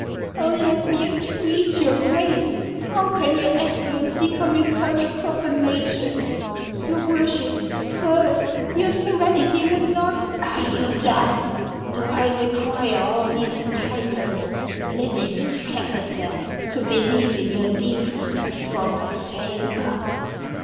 " Oh, let me entreat your Grace — How can your Excellency commit such profanation ? Your Worship — Sir, your Serenity would not —" Are you done ? Do I require all these titles, living skeleton, to believe in your deep respect for my sabre